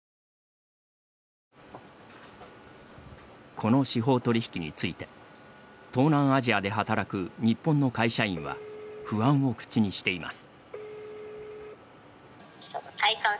この司法取引について東南アジアで働く日本の会社員は不安を口にしています。